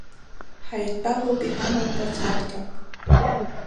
Ҳаидтәалоуп иҳамамкәа царҭа…